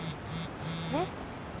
えっ？